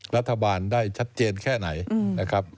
รัฐบาลได้ชัดเจนแค่ไหน